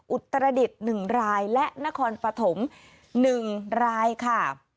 อุตรดิษฐ์๑รายและนครปฐม๑รายค่ะ